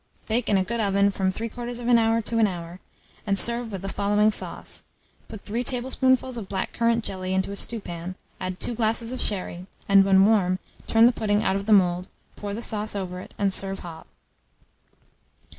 Bake in a good oven from 3/4 to 1 hour, and serve with the following sauce: Put 3 tablespoonfuls of black currant jelly into a stewpan, add 2 glasses of sherry, and, when warm, turn the pudding out of the mould, pour the sauce over it, and serve hot.